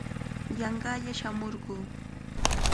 Yanqalla shamurquu.